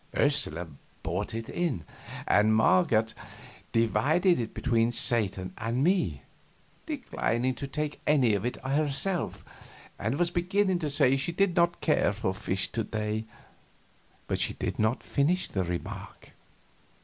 Ursula brought it, and Marget divided it between Satan and me, declining to take any of it herself; and was beginning to say she did not care for fish to day, but she did not finish the remark.